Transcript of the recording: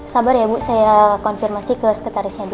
sabar ya bu saya konfirmasi ke sekretarisnya dulu